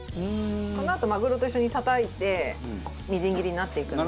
このあとマグロと一緒にたたいてみじん切りになっていくので。